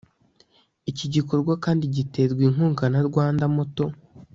iki gikorwa kandi giterwa inkunga na Rwanda Motor